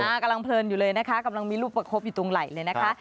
กำลังเพลินอยู่เลยนะคะกำลังมีลูกประคบอยู่ตรงไหล่เลยนะคะ